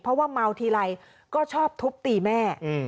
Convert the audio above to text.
เพราะว่าเมาทีไรก็ชอบทุบตีแม่